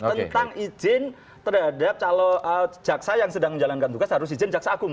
tentang izin terhadap calon jaksa yang sedang menjalankan tugas harus izin jaksa agung